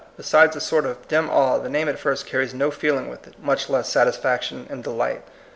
Besides a sort of dim awe, the name at first carries no feeling with it, much less, satisfaction and delight.